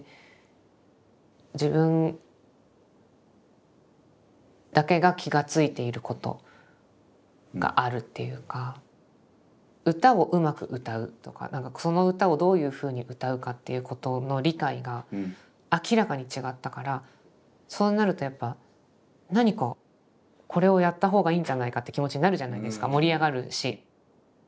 自分だけが気がついていることがあるっていうか歌をうまく歌うとかその歌をどういうふうに歌うかっていうことの理解が明らかに違ったからそうなるとやっぱ何かこれをやったほうがいいんじゃないかって気持ちになるじゃないですか盛り上がるし。